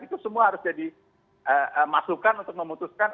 itu semua harus jadi masukan untuk memutuskan